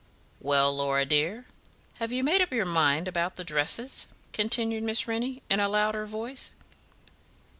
"Well, Laura dear, have you made up your mind about the dresses?" continued Miss Rennie, in a louder voice.